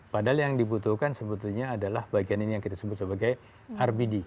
padahal yang dibutuhkan sebetulnya adalah bagian ini yang kita sebut sebagai rbd